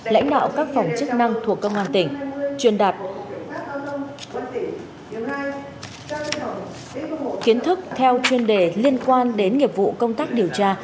lãnh đạo các phòng chức năng thuộc công an tỉnh truyền đạt kiến thức theo chuyên đề liên quan đến nghiệp vụ công tác điều tra